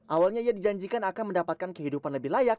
awalnya ia dijanjikan akan mendapatkan kehidupan lebih layak